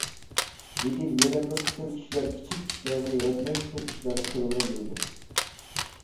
لېكىن يەنە بىر قىسىم كىشىلەر كىچىك ئىشلارنى ياراتماي، چوڭ ئىشلارنى قىلالماي يۈرىدۇ.